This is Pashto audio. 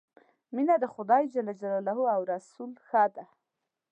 مینه د خدای ج او رسول ښه ده.